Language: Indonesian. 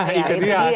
nah itu dia